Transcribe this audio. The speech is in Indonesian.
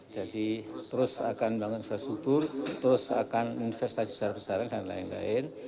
jadi terus akan membangun infrastruktur terus akan investasi besar besaran dan lain lain